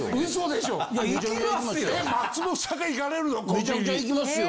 めちゃくちゃ行きますよ。